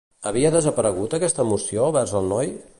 Havia desaparegut aquesta emoció vers el noi?